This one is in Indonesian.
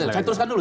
saya teruskan dulu